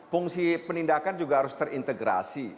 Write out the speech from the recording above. fungsi penindakan juga harus terintegrasi